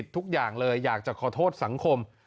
ทุกอย่างเลยอยากจะขอโทษสังคม